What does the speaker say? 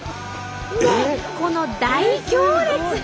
でこの大行列！